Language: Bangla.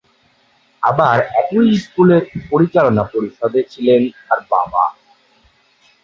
আবার একই স্কুলের পরিচালনা পরিষদে ছিলেন তার বাবা।